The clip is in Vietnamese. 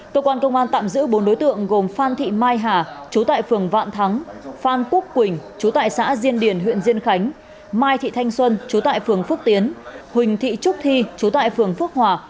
cơ quan công an tạm giữ bốn đối tượng gồm phan thị mai hà chú tại phường vạn thắng phan quốc quỳnh chú tại xã diên điền huyện diên khánh mai thị thanh xuân chú tại phường phước tiến huỳnh thị trúc thi chú tại phường phước hòa